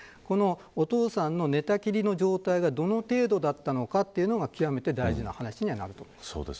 お父さんの寝たきりの状態がどの程度だったのかというのが極めて大事な話になると思います。